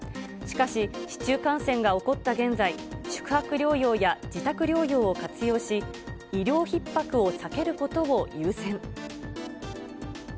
しかし、市中感染が起こった現在、宿泊療養や自宅療養を活用し、医療ひっ迫を避けることを優先。